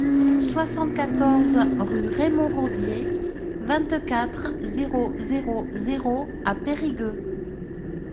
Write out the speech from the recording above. soixante-quatorze rue Raymond Raudier, vingt-quatre, zéro zéro zéro à Périgueux